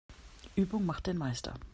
Übung macht den Meister.